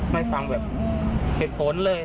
ไม่ฟังแบบเหตุผลเลย